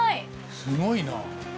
すごいなあ。